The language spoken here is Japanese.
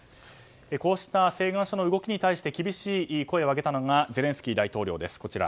こうした請願書の動きに対して厳しい声を上げたのがゼレンスキー大統領です。